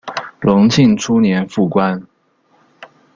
隆庆初年复官。